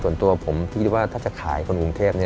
ส่วนตัวผมคิดว่าถ้าจะขายคนกรุงเทพ